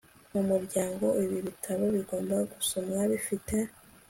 mumuryango ibi bitabo bigomba gusomwa bifite